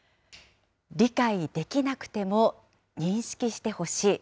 理解できなくても認識してほしい。